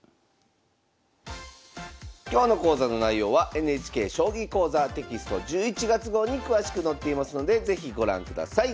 今日の講座の内容はＮＨＫ「将棋講座」テキスト１１月号に詳しく載っていますので是非ご覧ください。